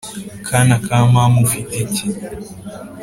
Kana ka mama ufite iki